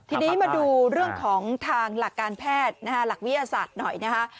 ทีนี้มาดูเรื่องของทางหลักการแพทย์นะฮะหลักวิทยาศาสตร์หน่อยนะคะ